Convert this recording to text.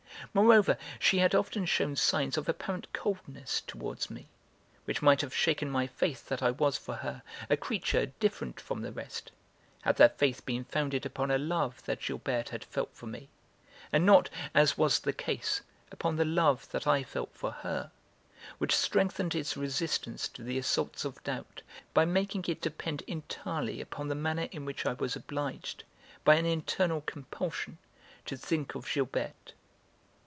Moreover, she had often shewn signs of apparent coldness towards me, which might have shaken my faith that I was for her a creature different from the rest, had that faith been founded upon a love that Gilberte had felt for me, and not, as was the case, upon the love that I felt for her, which strengthened its resistance to the assaults of doubt by making it depend entirely upon the manner in which I was obliged, by an internal compulsion, to think of Gilberte.